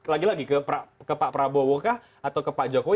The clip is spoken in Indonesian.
lagi lagi ke pak prabowo kah atau ke pak jokowi